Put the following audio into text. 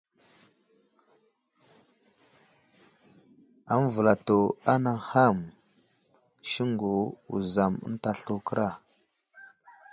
Aməvəlsto anay ham : Siŋgu, Wuzam ənta slu kəra.